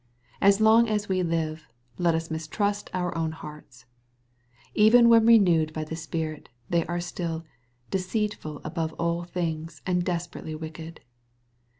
As long as we live, lot us mistrust our own hearts. Even when renewed by the Spirit, they are still " deceitful above all things and desperately mcked."